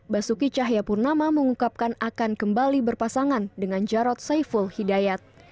basuki cahayapurnama mengungkapkan akan kembali berpasangan dengan jarod saiful hidayat